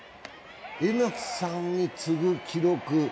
江夏さんに次ぐ記録